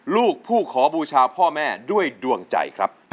ลูกผู้ขอบูชาพ่อแม่ด้วยดวงใจครับ